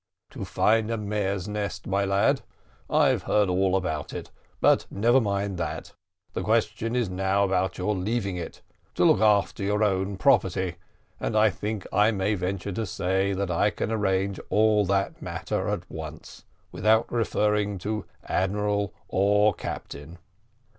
"To find a mare's nest, my lad; I've heard all about it; but never mind that, the question is now about your leaving it to look after your own property, and I think I may venture to say that I can arrange all that matter at once, without referring to admiral or captain.